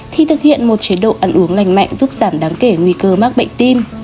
thì thực hiện một chế độ ăn uống lành mạnh giúp giảm đáng kể nguy cơ mắc bệnh tim